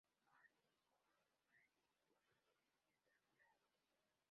Abd ul-Wáhid I murió estrangulado.